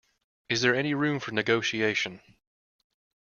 Is there any room for negotiation?